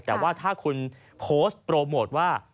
แต่ว่าถ้าคุณโพสต์โปรโมทว่า